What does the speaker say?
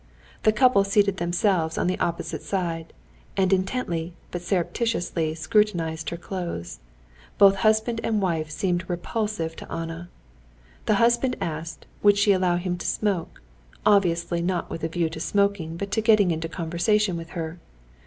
The couple seated themselves on the opposite side, and intently but surreptitiously scrutinized her clothes. Both husband and wife seemed repulsive to Anna. The husband asked, would she allow him to smoke, obviously not with a view to smoking but to getting into conversation with her.